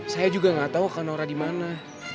saya juga gak tahu kak nora di mana